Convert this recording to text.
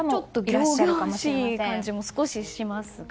仰々しい感じも少ししますが。